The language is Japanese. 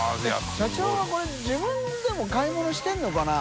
卍垢これ自分でも買い物してるのかな？